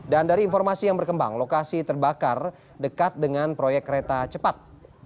dari informasi yang berkembang lokasi terbakar dekat dengan proyek kereta cepat